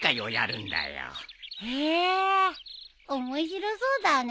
へえ面白そうだね。